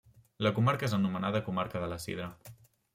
La comarca és anomenada Comarca de la Sidra.